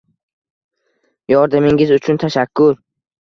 Yordamingiz uchun tashakkur.